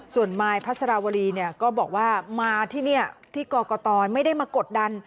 ส่วนมายพัสราวรีเนี่ยก็บอกว่ามาที่นี่ที่กรกตไม่ได้มากดดัน